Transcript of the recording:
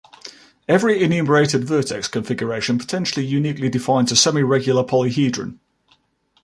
Every enumerated vertex configuration potentially uniquely defines a semiregular polyhedron.